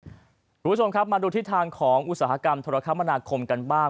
คุณผู้ชมครับมาดูทิศทางของอุตสาหกรรมธุรกรรมนาคมกันบ้าง